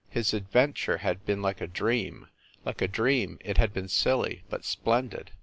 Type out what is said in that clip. His adventure had been like a dream like a dream it had been silly, but splendid.